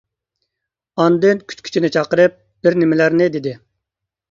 ئاندىن كۈتكۈچىنى چاقىرىپ، بىر نېمىلەرنى دېدى.